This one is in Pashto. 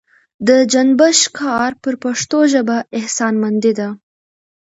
د جنبش کار پر پښتو ژبه احسانمندي ده.